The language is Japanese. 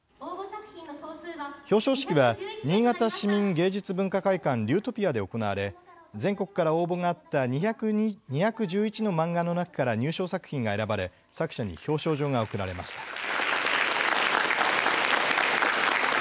表彰式は、新潟市民芸術文化会館りゅーとぴあで行われ全国から応募があった２１１の漫画の中から入賞作品が選ばれ作者に表彰状が贈られました。